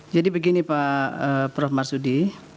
jadi begini pak prof marsudi